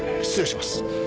失礼します。